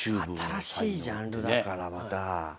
新しいジャンルだからまた。